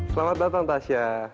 selamat datang tasya